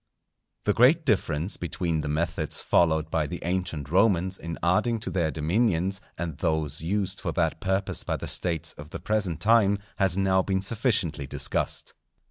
_ The great difference between the methods followed by the ancient Romans in adding to their dominions, and those used for that purpose by the States of the present time, has now been sufficiently discussed.